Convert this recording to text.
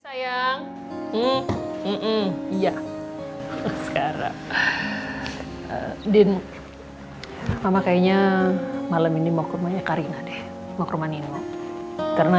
sayang iya sekarang din mama kayaknya malam ini mau kurmanya karina deh mau kurmanino karena